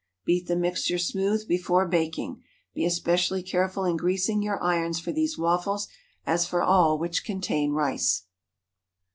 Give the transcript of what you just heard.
Beat the mixture smooth before baking. Be especially careful in greasing your irons for these waffles, as for all which contain rice.